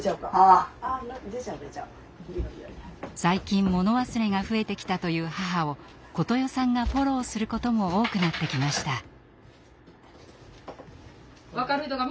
最近物忘れが増えてきたという母を琴世さんがフォローすることも多くなってきました。